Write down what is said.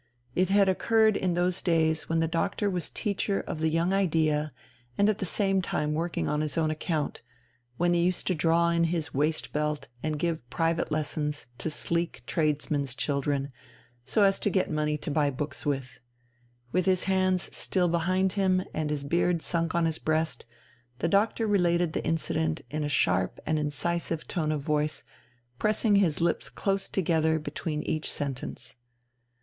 It had occurred in those early days when the Doctor was teacher of the young idea and at the same time working on his own account, when he used to draw in his waist belt and give private lessons to sleek tradesmen's children, so as to get money to buy books with. With his hands still behind him and his beard sunk on his breast, the doctor related the incident in a sharp and incisive tone of voice, pressing his lips close together between each sentence.